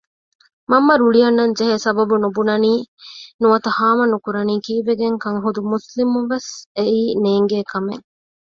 މަންމަ ރުޅި އަންނަންޖެހޭ ސަބަބު ނުބުނަނީ ނުވަތަ ހާމަ ނުކުރަނީ ކީއްވެގެންކަން ހުދު މުސްލިމަށްވެސް އެއީ ނޭންގޭ ކަމެއް